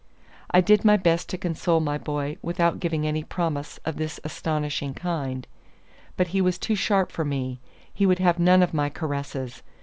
I did my best to console my boy without giving any promise of this astonishing kind; but he was too sharp for me: he would have none of my caresses.